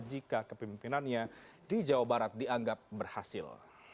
jika kepimpinannya di jawa barat dianggap berhasil